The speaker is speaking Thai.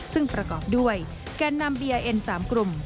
ซึ่งประกอบด้วยแกนนำเบียร์เอ็น๓กลุ่ม